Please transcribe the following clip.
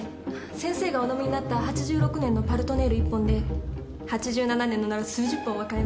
先生がお飲みになった８６年の「パルトネール」１本で８７年のなら数十本は買えます。